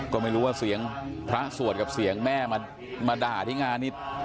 ก็ไม่รู้ว่าทรัพย์สวัสดิ์กับเสียงแม่มาด่าที่งานนี่